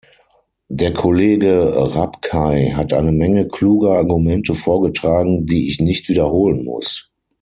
Der Kollege Rapkay hat eine Menge kluger Argumente vorgetragen, die ich nicht wiederholen muss.